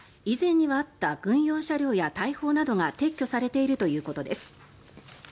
以前にはあった軍用車両や大砲などが撤去されているということです。